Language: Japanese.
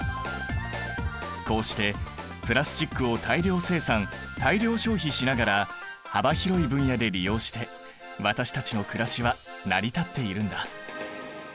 こうしてプラスチックを大量生産大量消費しながら幅広い分野で利用して私たちのくらしは成り立っているんだ。